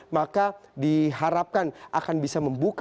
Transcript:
maka diharapkan akan bisa membuka